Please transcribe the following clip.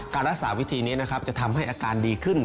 การรักษาวิธีนี้นะครับจะทำให้อาการดีขึ้น